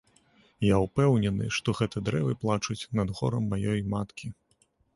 Я ўпэўнены, што гэта дрэвы плачуць над горам маёй маткі.